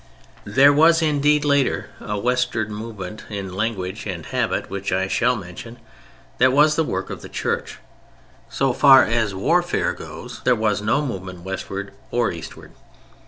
There was indeed later a westward movement in language and habit which I shall mention; that was the work of the Church. So far as warfare goes there was no movement westward or eastward.